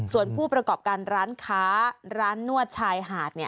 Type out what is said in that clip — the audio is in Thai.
ส่วนผู้ประกอบการร้านค้าร้านนวดชายหาด